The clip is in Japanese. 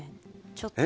ちょっと。